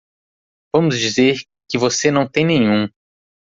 Vamos dizer que você não tem nenhum.